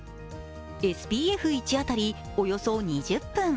ＳＰＦ１当たりおよそ２０分。